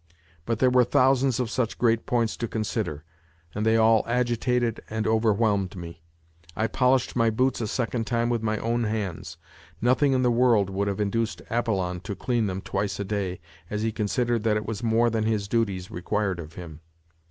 But there were thousands of such great points to consider, and they all agitated and overwhelmed me. I polished my boots a second time with my own hands ; nothing in the world would have induced Apollon to clean them twice a day, as he considered that it was more than his duties required of him.